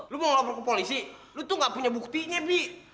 lu mau lapor ke polisi lu tuh gak punya buktinya bi